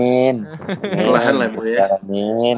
kelahan lah gue ya amin